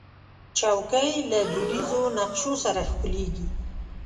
چوکۍ له دودیزو نقشو سره ښکليږي.